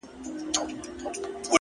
o ما وتا بېل كړي سره ـ